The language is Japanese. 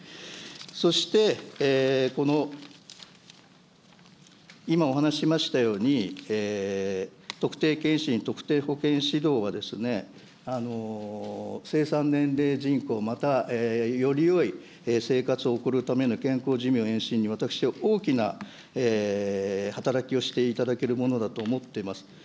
そして今お話しましたように、特定健診、特定保健指導は生産年齢人口またよりよい生活を送るための健康寿命延伸に、大きな働きをしていただけるものだと思っています。